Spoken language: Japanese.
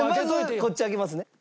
まずこっち開けますね。